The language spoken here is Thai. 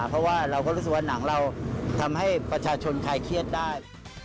เพราะว่าเราก็รู้สึกว่าหนังเราทำให้ประชาชนคลายเครียดได้